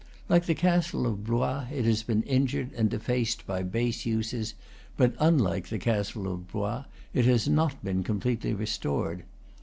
Like the castle of Blois it has been injured and defaced by base uses, but, unlike the castle of Blois, it has not been com pletely restored.